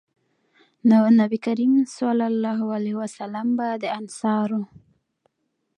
نو نبي کريم صلی الله علیه وسلّم به د انصارو